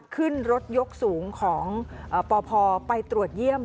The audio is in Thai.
ขึ้นรถยกสูงของปพไปตรวจเยี่ยม